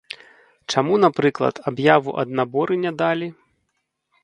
Чаму, напрыклад, аб'яву ад наборы не далі?